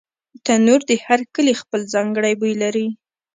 تنور د هر کلي خپل ځانګړی بوی لري